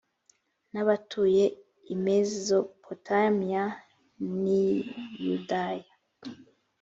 n abatuye i mezopotamiya n i yudaya